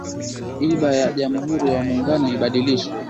iba ya jamhuri wa muungano ibadilishwe